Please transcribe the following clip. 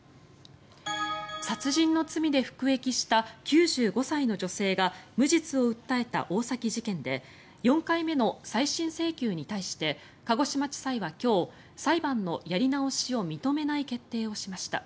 殺人の罪で服役した９５歳の女性が無実を訴えた大崎事件で４回目の再審請求に対して鹿児島地裁は今日裁判のやり直しを認めない決定をしました。